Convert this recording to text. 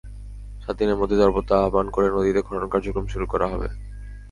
সাত দিনের মধ্যে দরপত্র আহ্বান করে নদীতে খনন কার্যক্রম শুরু করা হবে।